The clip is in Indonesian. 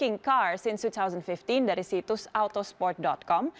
yang menangkan mobil sejak dua ribu lima belas dari situs autosport com